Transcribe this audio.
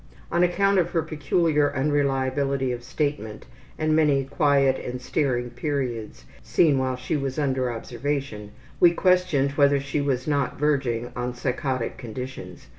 On account of her peculiar unreliability of statement and many quiet and staring periods, seen while she was under observation, we questioned whether she was not verging on psychotic conditions.